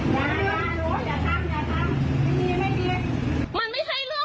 มันไม่ใช่เรื่องของคุณคุณไม่มีสิทธิ์ทำร้ายคนอื่น